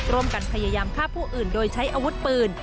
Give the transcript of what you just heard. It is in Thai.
ร่วมกันพยายามฆ่าผู้อื่นโดยใช้อาวุธปืน